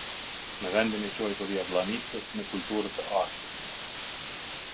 Në vendin e quajtur Jabllanicë, me kulturë të artë.